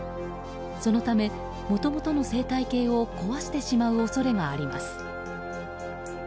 そのため、もともとの生態系を壊してしまう恐れがあります。